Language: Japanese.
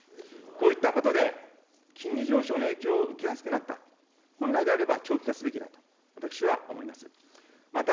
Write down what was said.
こういったことで、金利上昇の影響を受けやすくなった、本来であれば長期化すべきだと私は思います。